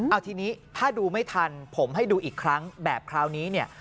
เอาทีนี้ถ้าดูไม่ทันผมให้ดูอีกครั้งแบบคราวนี้เนี่ย